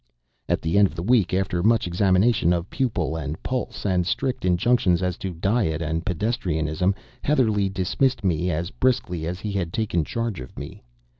At the end of the week, after much examination of pupil and pulse, and strict injunctions as to diet and pedestrianism, Heatherlegh dismissed me as brusquely as he had taken charge of me.